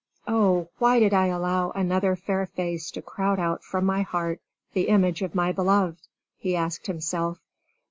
"Oh, why did I allow another fair face to crowd out from my heart the image of my beloved?" he asked himself.